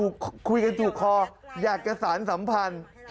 คุยกันถูกคออยากจะสารสัมพันธ์